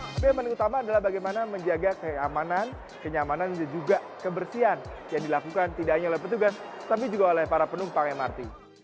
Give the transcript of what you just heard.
tapi yang paling utama adalah bagaimana menjaga keamanan kenyamanan dan juga kebersihan yang dilakukan tidak hanya oleh petugas tapi juga oleh para penumpang mrt